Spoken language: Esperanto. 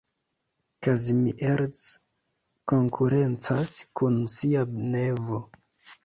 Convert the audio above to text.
Kazimierz konkurencas kun sia nevo.